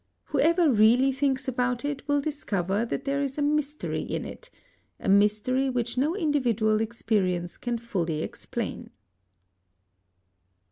Whoever really thinks about it will discover that there is a mystery in it, a mystery which no individual experience can fully explain.